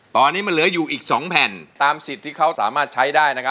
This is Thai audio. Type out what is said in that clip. ตอนนี้มันเหลืออยู่อีก๒แผ่นตามสิทธิ์ที่เขาสามารถใช้ได้นะครับ